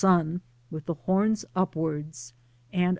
sun, with the horns upwards, and ^.